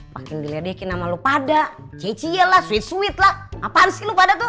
paking diledekin sama lo pada cie cie lah suit suit lah apaan sih lo pada tuh